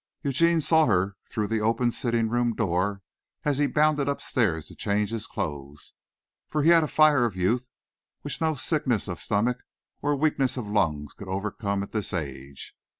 Eugene saw her through the open sitting room door, as he bounded upstairs to change his clothes, for he had a fire of youth which no sickness of stomach or weakness of lungs could overcome at this age.